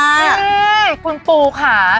เฮ้คุณปูค่ะ